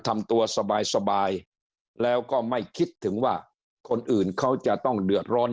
ทำตัวสบายแล้วก็ไม่คิดถึงว่าคนอื่นเขาจะต้องเดือดร้อน